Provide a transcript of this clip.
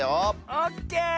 オッケー！